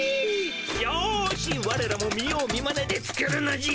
よしわれらも見よう見まねで作るのじゃ。